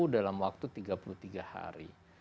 dalam waktu tiga puluh tiga hari